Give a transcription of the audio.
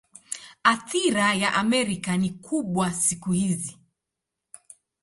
Athira ya Amerika ni kubwa siku hizi.